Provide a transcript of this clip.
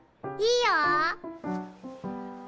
いいよ。